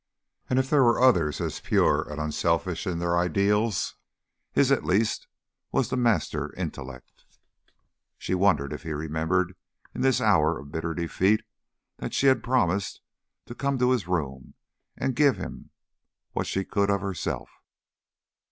And if there were others as pure and unselfish in their ideals, his at least was the master intellect. She wondered if he remembered in this hour of bitter defeat that she had promised to come to this room and give him what she could of herself.